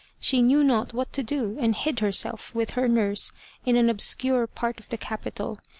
She knew not what to do, and hid herself, with her nurse, in an obscure part of the capital.